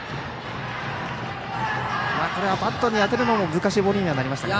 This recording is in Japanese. これはバットに当てるのも難しいボールになりましたかね。